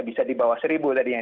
bisa di bawah seribu tadi yang